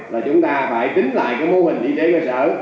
là chúng ta phải tính lại cái mô hình y tế cơ sở